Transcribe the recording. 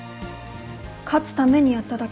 勝つためにやっただけ。